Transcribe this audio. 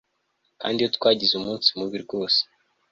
kandi iyo twagize umunsi mubi rwose